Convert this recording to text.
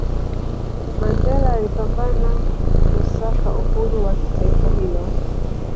mandela alipambana kusaka uhuru wa taifa hilo